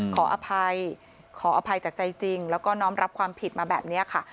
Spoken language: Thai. ขออภัยขออภัยจากใจจริงแล้วก็น้อมรับความผิดมาแบบนี้ค่ะ